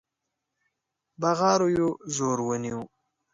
بغارو يې زور ونيو.